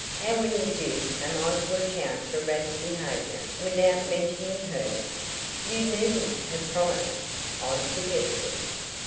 How in the deuce am I to account for Rad's behavior without mentioning her?" "You needn't have promised," I suggested.